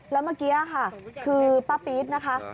แล้วเมื่อกี้คือป้าพีชนะคะ